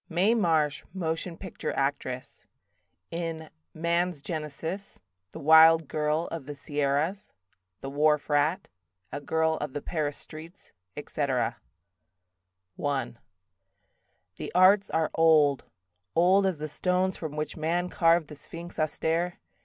Mae Marsh, Motion Picture Actress In "Man's Genesis", "The Wild Girl of the Sierras", "The Wharf Rat", "A Girl of the Paris Streets", etc. I The arts are old, old as the stones From which man carved the sphinx austere.